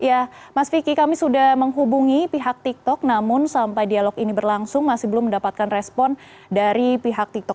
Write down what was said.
ya mas vicky kami sudah menghubungi pihak tiktok namun sampai dialog ini berlangsung masih belum mendapatkan respon dari pihak tiktok